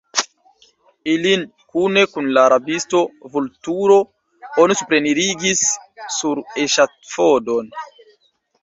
Ilin kune kun la rabisto Vulturo oni suprenirigis sur eŝafodon.